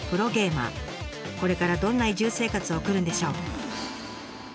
これからどんな移住生活を送るんでしょう？